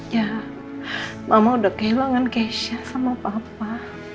ya mama udah kehilangan keisha sama papa